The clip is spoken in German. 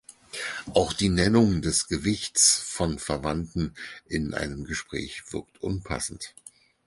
Auch die Nennung des Gewichts von Verwandten in einem Gespräch wirkt unpassend.